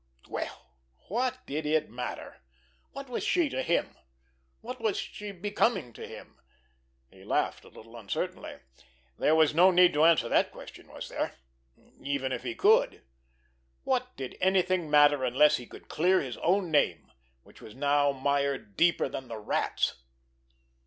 Well, what did it matter? What was she to him? What was she becoming to him? He laughed a little uncertainly. There was no need to answer that question, was there—even if he could? What did anything matter unless he could clear his own name, which was now mired deeper than the Rat's!